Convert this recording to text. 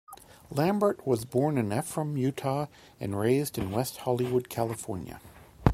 Lambert was born in Ephraim, Utah, and raised in West Hollywood, California.